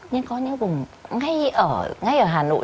nhưng có những vùng ngay ở hà nội